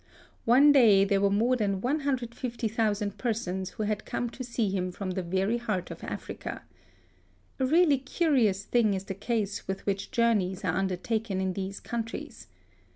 One day there were more than 150,000 persons who had come to see him from the very heart of Africa. A really curious thing is the ease with which journeys are under taken in these countries.